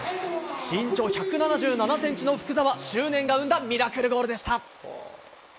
身長１７７センチの福澤、執念が生んだミラクルゴールでした。